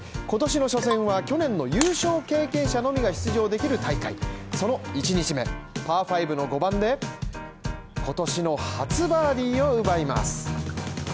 今年の初戦は去年の優勝経験者のみが出場できる大会その１日目、パー５の５番で、今年の初バーディを奪います。